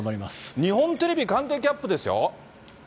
日本テレビ官邸キャップですよ！